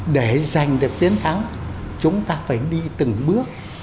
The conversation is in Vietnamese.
để giành được tiến thắng chúng ta phải đi từng bước